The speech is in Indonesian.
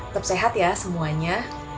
tetap sehat ya semuanya